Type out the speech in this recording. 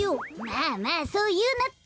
まあまあそういうなって。